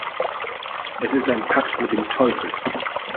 Es ist ein Pakt mit dem Teufel.